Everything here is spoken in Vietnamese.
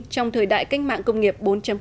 trong thời đại cách mạng công nghiệp bốn